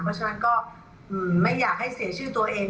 เพราะฉะนั้นก็ไม่อยากให้เสียชื่อตัวเอง